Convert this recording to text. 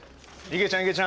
いげちゃん。